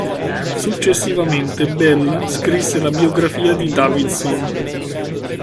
Successivamente Bell scrisse la biografia di Davidson.